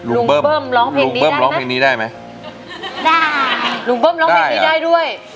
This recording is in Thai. เบิ้มร้องเพลงลุงเบิ้มร้องเพลงนี้ได้ไหมได้ลุงเบิ้มร้องเพลงนี้ได้ด้วย